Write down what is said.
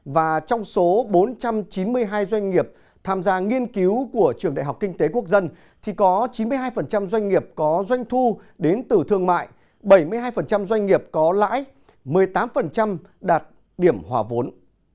và trong số bốn trăm chín mươi hai doanh nghiệp tham gia nghiên cứu của trường đại học kinh tế quốc dân thì có chín mươi hai doanh nghiệp có doanh thu đến từ thương mại bảy mươi hai doanh nghiệp có lãi một mươi tám đạt điểm hòa vốn